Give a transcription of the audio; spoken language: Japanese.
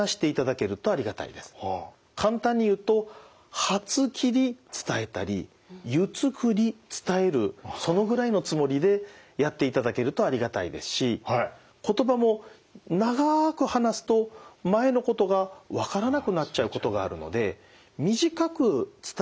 簡単に言うと「はつきり」伝えたり「ゆつくり」伝えるそのぐらいのつもりでやっていただけるとありがたいですし言葉も長く話すと前のことがわからなくなっちゃうことがあるので短く伝えていただけると。